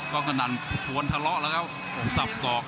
ก็งั้นก้วนทะเลาแล้วก็ซับสอก